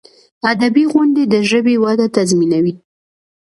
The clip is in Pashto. ادبي غونډي د ژبي وده تضمینوي.